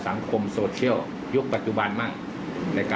เพราะว่าเมื่อเช้าก็ได้ขอโทษน้องเขาไปเลยนะครับ